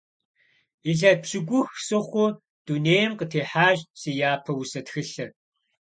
Илъэс пщыкӏух сыхъуу дунейм къытехьащ си япэ усэ тхылъыр.